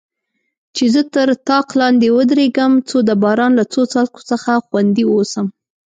چې زه تر طاق لاندې ودریږم، څو د باران له څاڅکو څخه خوندي واوسم.